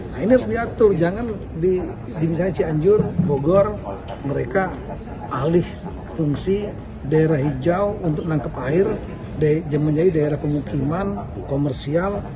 nah ini harus diatur jangan di misalnya cianjur bogor mereka alih fungsi daerah hijau untuk menangkap air menjadi daerah pemukiman komersial